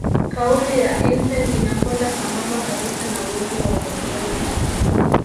kauli ya Einstein inakwenda sambamba kabisa na uwezo wa Guardiola